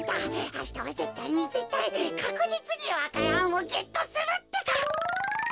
あしたはぜったいにぜったいかくじつにわからんをゲットするってか！